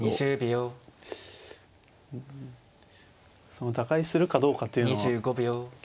その打開するかどうかというのは結構。